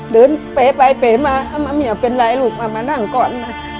เดินเป๋ไปเป๋มามะเหี่ยวเป็นไรลูกมานั่งก่อนนะ